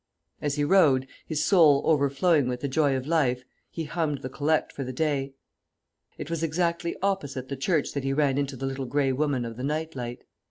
As he rode, his soul overflowing with the joy of life, he hummed the Collect for the Day. It was exactly opposite the church that he ran into the Little Grey Woman of the Night Light.